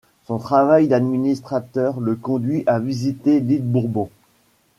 Son travail d’administrateur le conduit à visiter l’île Bourbon.